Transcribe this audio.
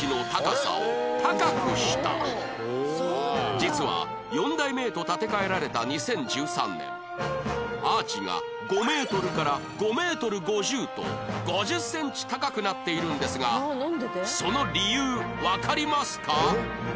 実は４代目へと建て替えられた２０１３年アーチが５メートルから５メートル５０と５０センチ高くなっているんですがその理由わかりますか？